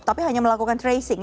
tapi hanya melakukan tracing